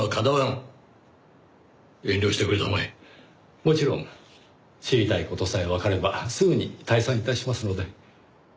もちろん知りたい事さえわかればすぐに退散致しますので。